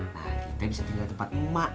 nah kita bisa tinggal di tempat emak